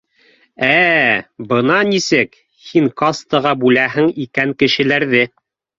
— Ә-ә, бына нисек, һин кастаға бүләһең икән кешеләрҙе